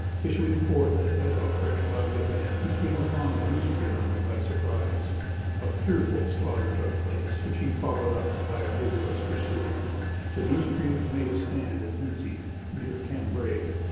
Issuing forth at the head of a fresh body of men, he came upon the Neustrian army by surprise. A fearful slaughter took place, which he followed up by a vigorous pursuit. The Neustrians made a stand at Vincy, near Cambray.